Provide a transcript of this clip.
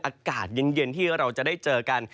อากาศเย็นที่เราจะได้เจอกัน